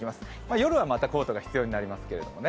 夜はまたコートが必要になりますけどね。